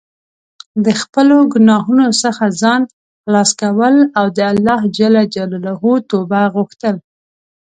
د خپلو ګناهونو څخه ځان خلاص کول او د الله توبه غوښتل.